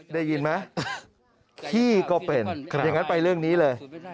ได้ยินไหมพี่ก็เป็นอย่างนั้นไปเรื่องนี้เลย